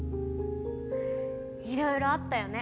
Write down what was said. いろいろあったよね